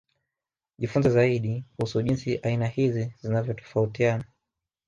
Jifunze zaidi kuhusu jinsi aina hizi zinavyotofautiana